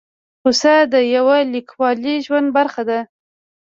پسه د یوه کلیوالي ژوند برخه ده.